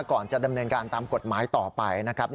ก่อนจะดำเนินการตามกฎหมายต่อไปนะครับ